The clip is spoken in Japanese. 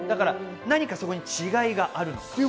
何かそこに違いがあるのか。